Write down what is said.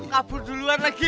kabur duluan lagi